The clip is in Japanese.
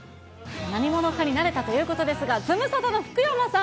何者かになれたということですが、ズムサタの福山さん。